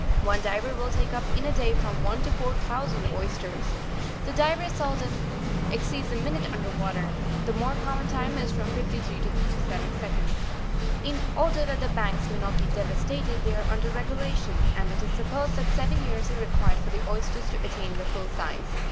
One diver will take up in a day from one to four thousand oysters. The diver seldom exceeds a minute under water; the more common time is from 53 to 57 seconds. In order that the banks may not be devastated, they: are under regulation, and it Is sup posed that seven years are required for the oyster to attain its full size.